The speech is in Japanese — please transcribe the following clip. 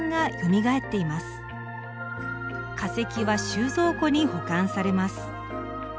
化石は収蔵庫に保管されます。